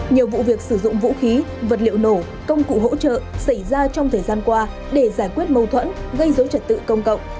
nhiều vụ việc sử dụng vũ khí vật liệu nổ công cụ hỗ trợ xảy ra trong thời gian qua để giải quyết mâu thuẫn gây dối trật tự công cộng